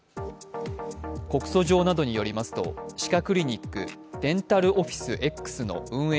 告訴状などによりますと歯科クリニックデンタルオフィスＸの運営